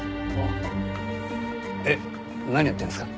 えっ何やってるんですか？